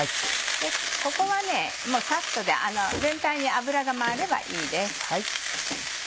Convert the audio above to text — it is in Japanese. ここはサッとで全体に油が回ればいいです。